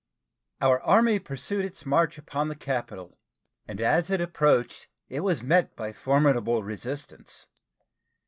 Our Army pursued its march upon the capital, and as it approached it was met by formidable resistance.